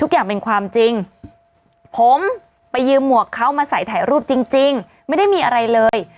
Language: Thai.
อย่างเป็นความจริงผมไปยืมหมวกเขามาใส่ถ่ายรูปจริงไม่ได้มีอะไรเลย